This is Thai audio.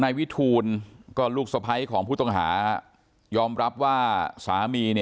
นายวิทูนก็ลูกสพัยของผู้ตงหายอมรับว่าสามีเนี้ย